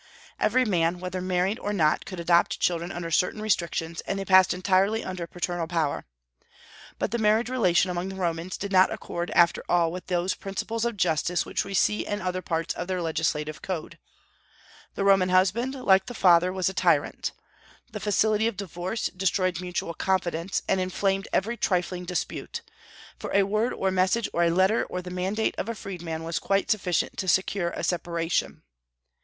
Every man, whether married or not, could adopt children under certain restrictions, and they passed entirely under paternal power. But the marriage relation among the Romans did not accord after all with those principles of justice which we see in other parts of their legislative code. The Roman husband, like the father, was a tyrant. The facility of divorce destroyed mutual confidence, and inflamed every trifling dispute; for a word or a message or a letter or the mandate of a freedman was quite sufficient to secure a separation.